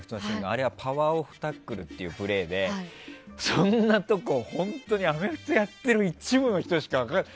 あれはパワーオフタックルっていうプレーでそんなとこ本当にアメフトやってる一部の人しか分からない。